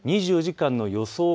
２４時間の予想